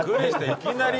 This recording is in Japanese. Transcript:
いきなり？